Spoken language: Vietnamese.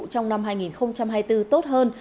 trong năm hai nghìn hai mươi bốn tốt hơn